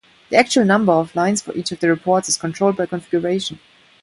The actual number of lines for each of the reports is controlled by configuration.